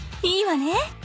いいわね！